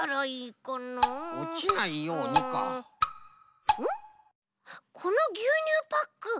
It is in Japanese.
このぎゅうにゅうパック。